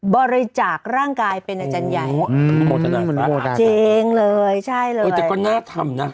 บริจาคร่างกายเป็นอาจารย์ใหญ่จริงเลยใช่เลยเออแต่ก็น่าทำนะ